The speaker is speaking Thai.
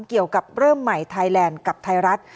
เกี่ยวกับเริ่มใหม่ไทยแลนด์กับไทยรัฐ